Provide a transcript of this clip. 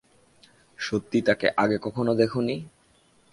সত্যি তাকে আগে কখনো দেখোনি?